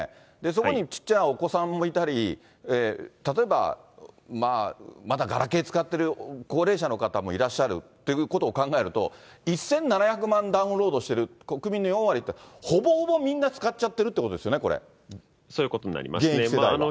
そこにちっちゃなお子さんもいたり、例えば、まだガラケー使っている高齢者の方もいらっしゃるということを考えると、１７００万ダウンロードしてる国民の４割って、ほぼほぼみんな、そういうことになりますね。